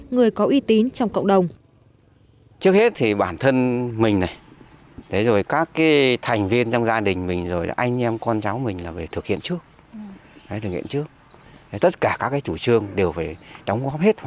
người có uy tín trong cộng đồng